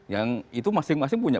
yang itu masing masing punya